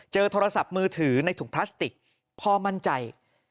โทรศัพท์มือถือในถุงพลาสติกพ่อมั่นใจ